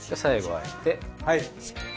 はい。